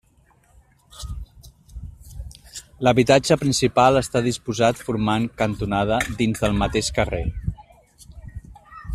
L'habitatge principal està disposat formant cantonada dins del mateix carrer.